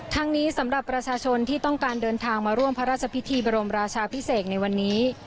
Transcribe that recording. ทั้งนี้สำหรับประชาชนที่ต้องการเดินทางมาร่วมพระราชพิธีบรมราชาพิเศษในวันนี้